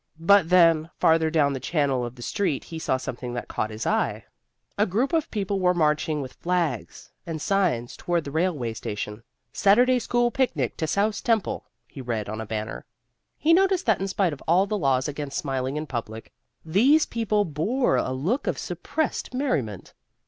But then, farther down the channel of the street, he saw something that caught his eye. A group of people were marching with flags and signs toward the railway station. SATURDAY SCHOOL PICNIC TO SOUSE TEMPLE, he read on a banner. He noticed that in spite of all the laws against smiling in public, these people bore a look of suppressed merriment.